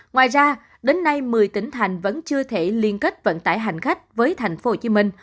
ngoài ra đến nay một mươi tỉnh thành vẫn chưa thể liên kết vận tải hành khách với tp hcm